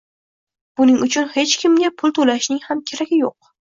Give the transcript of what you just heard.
buning uchun hech kimga pul to‘lashning ham keragi yo‘q.